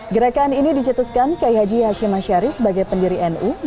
gerakan ini dijadikan kiai haji hasyem ashari sebagai pendiri nu